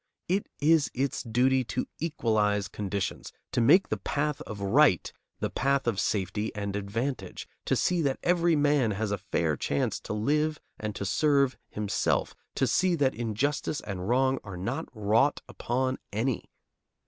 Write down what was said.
It is its duty to equalize conditions, to make the path of right the path of safety and advantage, to see that every man has a fair chance to live and to serve himself, to see that injustice and wrong are not wrought upon any.